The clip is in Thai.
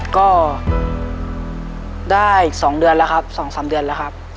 ก็ได้๒เดือนแล้วครับ๒๓เดือนแล้วครับ